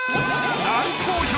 大好評！